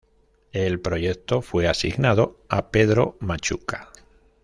El proyecto fue asignado a Pedro Machuca.